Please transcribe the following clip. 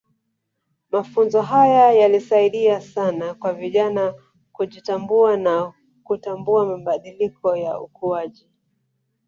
Mafunzo haya yalisaidia sana kwa vijana kujitambua na kutambua mabadiliko ya ukuaji